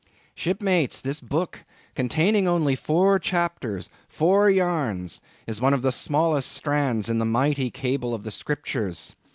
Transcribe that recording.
'" "Shipmates, this book, containing only four chapters—four yarns—is one of the smallest strands in the mighty cable of the Scriptures.